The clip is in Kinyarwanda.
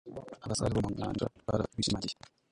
Abasare bo mu nyanja barabishimangiye